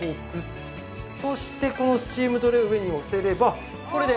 そしてこのスチームトレーを上にのせればこれで。